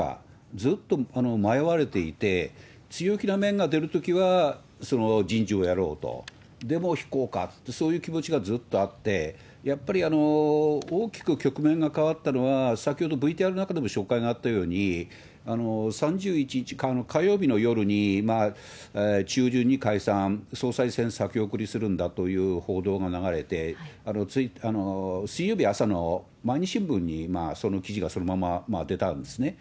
ずっと迷われていて、強気な面が出るときはその人事をやろうと、でも引こうか、そういう気持ちがずっとあって、やっぱり大きく局面が変わったのは、先ほどＶＴＲの中でも紹介があったように、３１日火曜日の夜に、中旬に解散、総裁選先送りするんだという報道が流れて、水曜日朝の毎日新聞に、その記事がそのまま出たんですね。